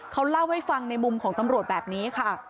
เขาเล่าให้ฟังในมุมของตำรวจแบบนี้ค่ะ